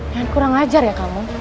yang kurang ajar ya kamu